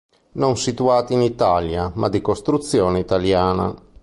Non situati in Italia, ma di costruzione italiana.